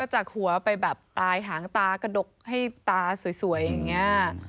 จากหัวไปแบบปลายหางตากระดกให้ตาสวยอย่างนี้